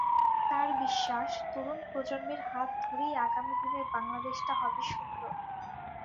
তার বিশ্বাস, তরুণ প্রজন্মের হাত ধরেই আগামী দিনের বাংলাদেশটা হবে সুন্দর।